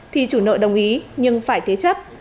thì chủ nợ đồng ý nhưng phải thế chấp